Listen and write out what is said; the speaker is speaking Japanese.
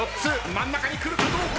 真ん中にくるかどうか！？